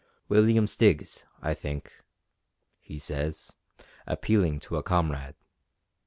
"William Stiggs, I think," he says, appealing to a comrade.